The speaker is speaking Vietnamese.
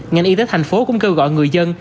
ngành y tế thành phố cũng kêu gọi người dân